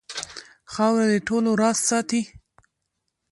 خاوره د ټولو راز ساتي.